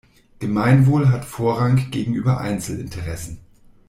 Gemeinwohl hat Vorrang gegenüber Einzelinteressen.